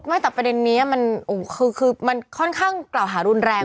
ไม่ที่แต่เห็นนี้อ่ะคือคือค่อนข้างกล่าวหารุนแรงเหมือนกัน